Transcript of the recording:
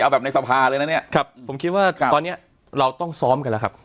เอาแบบในสภาเลยนะเนี่ยครับผมคิดว่าตอนนี้เราต้องซ้อมกันแล้วครับ